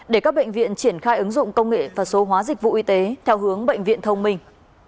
để các bệnh viện triển khai ứng dụng công nghệ và số hóa dịch vụ y tế theo hướng bệnh viện thông minh